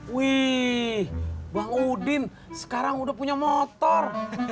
wih bang udin sekarang udah punya motor